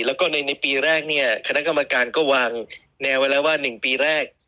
แล้วก็ในปีแรกเนี่ยคณะกรรมการก็วางแนวไว้แล้วว่า๑ปีแรก